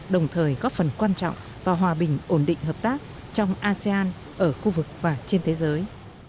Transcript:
đồng thời góp phần quan trọng và hòa bình ổn định hợp tác trong asean ở khu vực và trên thế giới